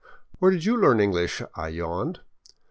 " Where did you learn English ?" I yawned.